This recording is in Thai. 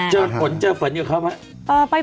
เจอฝนเจอฝนอยู่กับเขาไหม